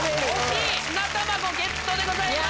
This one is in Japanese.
砂たまごゲットでございます。